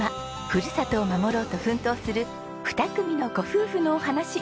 ふるさとを守ろうと奮闘する２組のご夫婦のお話。